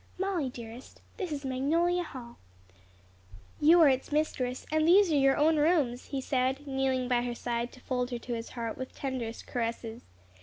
Molly, dearest, this is Magnolia Hall; you are its mistress, and these are your own rooms," he said, kneeling by her side to fold her to his heart with tenderest caresses.